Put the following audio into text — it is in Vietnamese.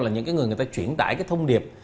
là những người người ta truyền đải thông điệp